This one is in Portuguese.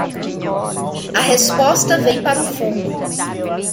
A resposta vem para o fundo